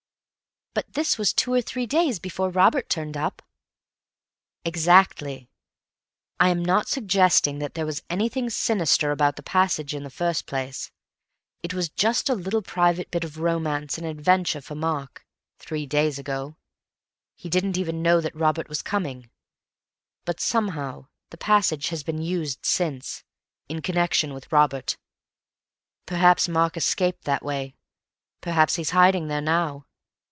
"But this was two or three days before Robert turned up." "Exactly. I am not suggesting that there was anything sinister about the passage in the first place. It was just a little private bit of romance and adventure for Mark, three days ago. He didn't even know that Robert was coming. But somehow the passage has been used since, in connection with Robert. Perhaps Mark escaped that way; perhaps he's hiding there now.